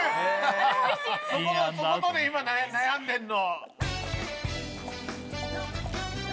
そことで今悩んでんの。